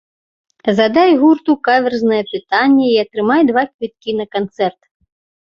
Задай гурту каверзнае пытанне і атрымай два квіткі на канцэрт!